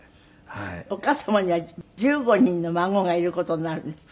お母様には１５人の孫がいる事になるんですって？